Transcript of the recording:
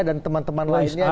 dan teman teman lainnya